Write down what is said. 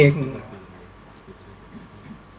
ก็ต้องทำอย่างที่บอกว่าช่องคุณวิชากำลังทำอยู่นั่นนะครับ